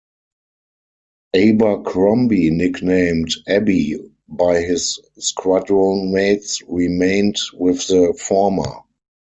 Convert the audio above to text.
Abercrombie-nicknamed "Abbie" by his squadron-mates-remained with the former.